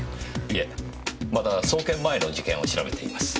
いえまだ送検前の事件を調べています。